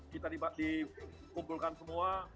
kita dikumpulkan semua